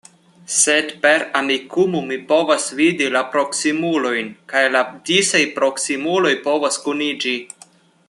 Sed per Amikumu mi povas vidi la proksimulojn, kaj la disaj proksimuloj povas kuniĝi.